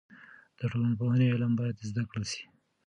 د ټولنپوهنې علم باید زده کړل سي.